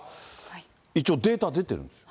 一応データ出てるんです。